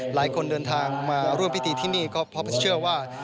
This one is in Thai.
หลายคนเดินทางมาร่วมพิธีที่นี่ก็เพราะเชื่อว่า